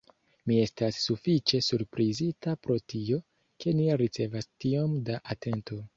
Mi estas sufiĉe surprizita pro tio, ke ni ricevas tiom da atento.